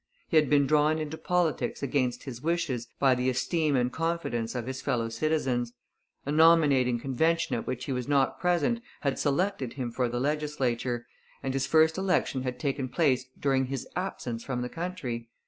He had been drawn into politics against his wishes by the esteem and confidence of his fellow citizens. A nominating convention at which he was not present had selected him for the legislature, and his first election had taken place during his absence from the country.